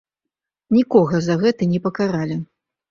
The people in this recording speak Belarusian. Нікога за гэта не пакаралі.